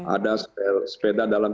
ada sepeda dalam